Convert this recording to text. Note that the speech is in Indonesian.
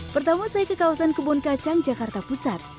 pertama saya ke kawasan kebun kacang jakarta pusat